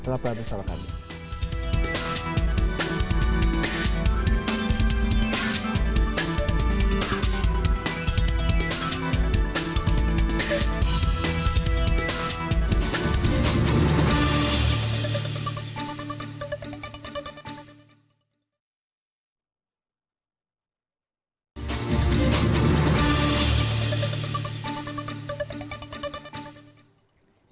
selamat malam bersama kami